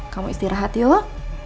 kamu istirahat yuk